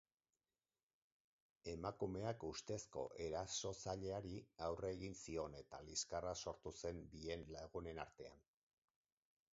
Emakumeak ustezko erasotzaileari aurre egin zion eta liskarra sortu zen bien lagunen artean.